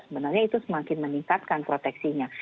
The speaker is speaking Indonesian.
sebenarnya itu semakin meningkatkan proteksinya